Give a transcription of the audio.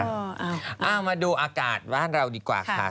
เอามาดูอากาศบ้านเราดีกว่าค่ะ